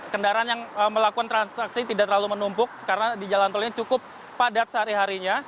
kendaraan yang melakukan transaksi tidak terlalu menumpuk karena di jalan tol ini cukup padat sehari harinya